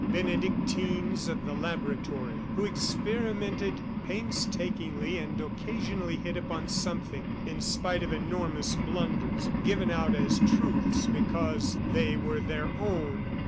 Benedictines of the laboratory who experimented painstakingly and occasionally hit upon something, in spite of enormous blunders given out as truths, because they were their own